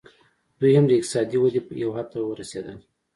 دوی هم د اقتصادي ودې یو حد ته ورسېدل